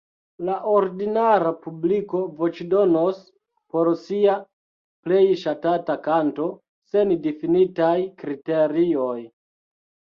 La ordinara publiko voĉdonos por sia plej ŝatata kanto, sen difinitaj kriterioj.